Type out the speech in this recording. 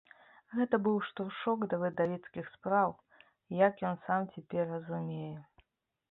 Гэта быў штуршок да выдавецкіх спраў, як ён сам цяпер разумее.